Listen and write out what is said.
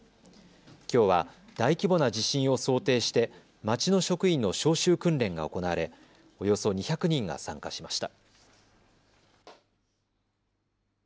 きょうは大規模な地震を想定して町の職員の招集訓練が行われおよそ２００人が参加しました。